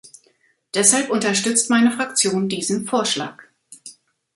Deshalb unterstützt meine Fraktion diesen Vorschlag.